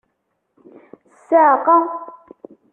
Ssiɛqa!